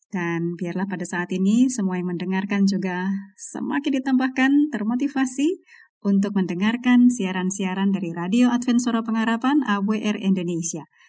dan biarlah pada saat ini semua yang mendengarkan juga semakin ditambahkan termotivasi untuk mendengarkan siaran siaran dari radio advent suara pengharapan awr indonesia